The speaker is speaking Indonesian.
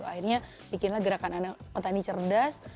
akhirnya bikinlah gerakan anak petani cerdas